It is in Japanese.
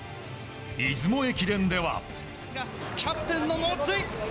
出雲駅伝では。